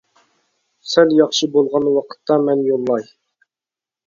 سەل ياخشى بولغان ۋاقىتتا مەن يوللاي.